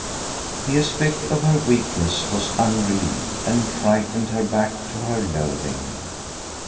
The aspect of her weakness was unrelieved, and frightened her back to her loathing.